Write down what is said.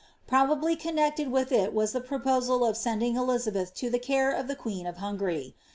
Probably connected with the proposal of sending Elizabeth to the care of the queen of y.